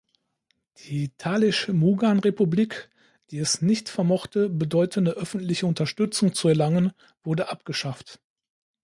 Die Talysch-Mugan-Republik, die es nicht vermochte, bedeutende öffentliche Unterstützung zu erlangen, wurde abgeschafft.